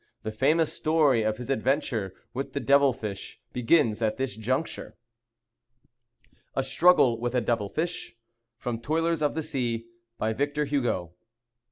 The famous story of his adventure with the devil fish begins at this juncture. A STRUGGLE WITH A DEVIL FISH (From Toilers of the Sea.) By VICTOR HUGO.